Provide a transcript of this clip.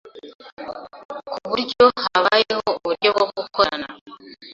ku buryo habayeho uburyo bwo gukorana